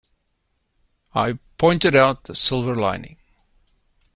I pointed out the silver lining.